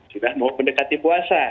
sudah mau mendekati puasa